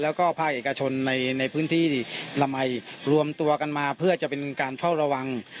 แล้วก็ภาคเอกชนในพื้นที่ละมัยรวมตัวกันมาเพื่อจะเป็นการเฝ้าระวัง